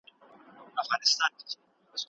هغه د ټولنې د دودیزو رسمونو او جامو اصلاحات پلي کړل.